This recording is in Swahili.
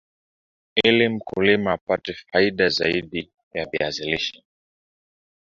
Ili mkulima apate faida zaidi ya viazi lishe